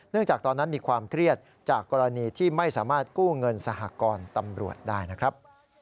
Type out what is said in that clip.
จากตอนนั้นมีความเครียดจากกรณีที่ไม่สามารถกู้เงินสหกรตำรวจได้นะครับ